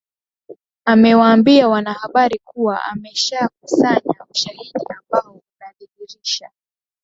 amewaambia wanahabari kuwa ameshakusanya ushahidi ambao unadhihirisha